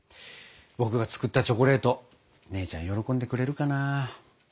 僕が作ったチョコレート姉ちゃん喜んでくれるかな。